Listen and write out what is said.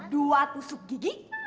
dua tusuk gigi